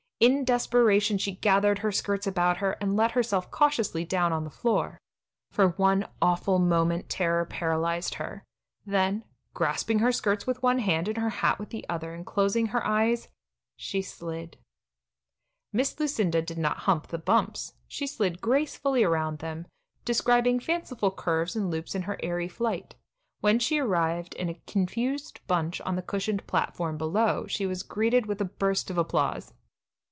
In desperation she gathered her skirts about her, and let herself cautiously down on the floor. For one awful moment terror paralyzed her, then, grasping her skirts with one hand and her hat with the other and closing her eyes, she slid. Miss Lucinda did not "hump the bumps"; she slid gracefully around them, describing fanciful curves and loops in her airy flight. When she arrived in a confused bunch on the cushioned platform below, she was greeted with a burst of applause.